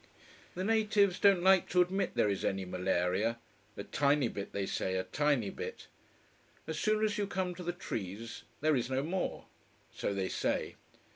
The natives don't like to admit there is any malaria: a tiny bit, they say, a tiny bit. As soon as you come to the trees there is no more. So they say.